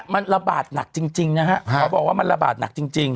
มันระบาดหนักจริงนะฮะเขาบอกว่ามันระบาดหนักจริง